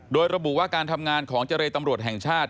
โดยระบุว่าการทำงานของเจรตำรวจแห่งชาติ